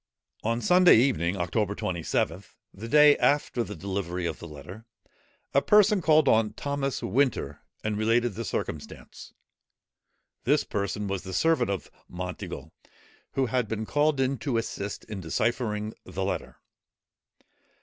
On Sunday evening, October 27th, the day after the delivery of the letter, a person called on Thomas Winter, and related the circumstance. This person was the servant of Monteagle, who had been called in to assist in deciphering the letter.